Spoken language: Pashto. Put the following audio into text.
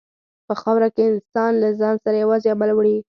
په خاوره کې انسان له ځان سره یوازې عمل وړي.